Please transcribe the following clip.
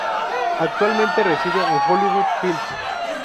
Actualmente residen en Hollywood Hills.